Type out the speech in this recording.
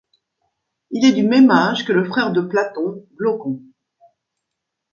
Il est du même âge que le frère de Platon, Glaucon.